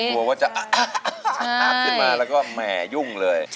เราจะอั๊ปแล้วก็แหม่ยุ่งเลย